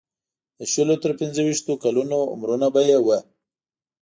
د شلو تر پنځه ویشتو کلونو عمرونه به یې وو.